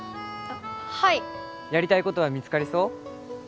あっはいやりたいことは見つかりそう？